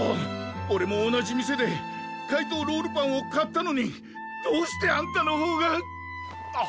おれも同じ店で「怪盗ロールパン」を買ったのにどうしてあんたのほうがあっ！